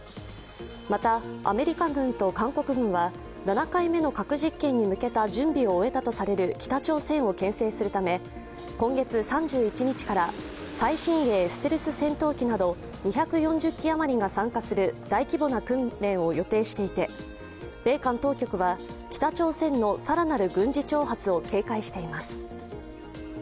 また、アメリカ軍と韓国軍は７回目の核実験に向けた準備を終えたとされる北朝鮮を牽制するため今月３１日から、最新鋭ステルス戦闘機など２４０機あまりが参加する大規模な訓練を予定していて米韓当局は北朝鮮の更なる軍事挑発を警戒しています。